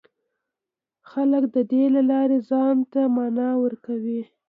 خلک د دې له لارې ځان ته مانا ورکوي.